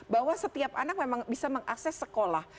bahwa setiap anak memang bisa mengakses sekolah